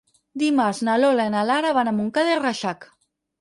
Dimarts na Lola i na Lara van a Montcada i Reixac.